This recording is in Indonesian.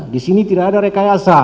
disini tidak ada rekayasa